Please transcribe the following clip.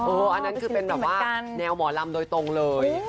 อันนั้นคือเป็นแบบว่าแนวหมอลำโดยตรงเลย